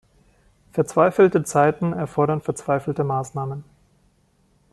Verzweifelte Zeiten erfordern verzweifelte Maßnahmen.